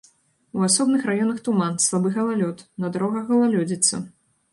У асобных раёнах туман, слабы галалёд, на дарогах галалёдзіца.